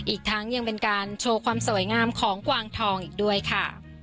อีกทั้งยังเป็นการโชว์ความสวยงามของกวางทองอีกด้วยค่ะ